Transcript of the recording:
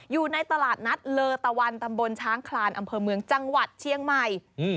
อยู่ในตลาดนัดเลอตะวันตำบลช้างคลานอำเภอเมืองจังหวัดเชียงใหม่